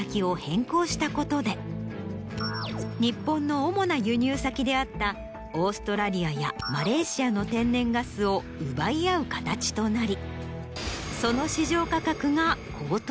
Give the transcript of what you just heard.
日本の主な輸入先であったオーストラリアやマレーシアの天然ガスを奪い合う形となり。